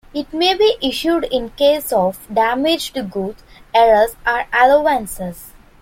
It may be issued in the case of damaged goods, errors or allowances.